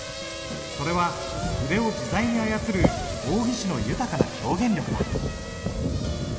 それは筆を自在に操る王羲之の豊かな表現力だ。